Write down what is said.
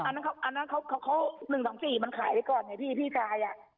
อันนั้นเค้า๑๒๔มันขายที่ก่อนเนี่ยพี่ชายอ่ะ